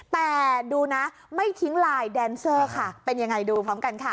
แต่ดูนะไม่ทิ้งไลน์แดนเซอร์ค่ะเป็นยังไงดูพร้อมกันค่ะ